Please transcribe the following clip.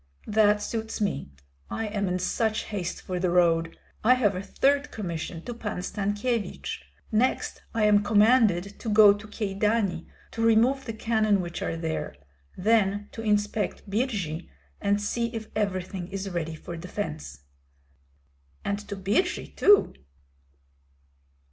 "That suits me; I am in such haste for the road. I have a third commission to Pan Stankyevich. Next I am commanded to go to Kyedani, to remove the cannon which are there; then to inspect Birji and see if everything is ready for defence." "And to Birji too?"